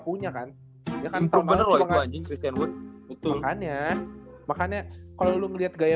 punya kan ya kan bener bener anjing christian wood makanya makanya kalau lu ngelihat gaya